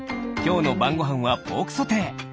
きょうのばんごはんはポークソテー。